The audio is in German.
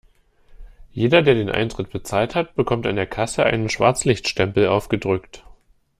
Jeder, der den Eintritt bezahlt hat, bekommt an der Kasse einen Schwarzlichtstempel aufgedrückt.